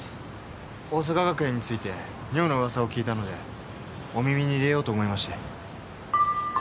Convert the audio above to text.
桜咲学園について妙な噂を聞いたのでお耳に入れようと思いまして。